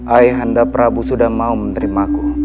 ayahanda prabu sudah mau menerimaku